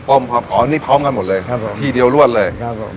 พร้อมกันหมดเลยครับผมทีเดียวรวดเลยครับผม